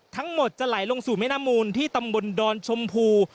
ทั้งหมดจะไหลลงสู่แม่น้ำมูลที่ตำบลดอนชมพู